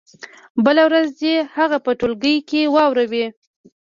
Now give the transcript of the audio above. بله ورځ دې يې هغه په ټولګي کې واوروي.